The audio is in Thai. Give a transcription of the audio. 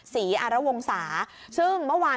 อารวงศาซึ่งเมื่อวาน